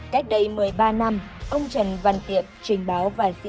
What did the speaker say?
cách đây một mươi ba năm ông trần văn tiệm trình báo vài tháng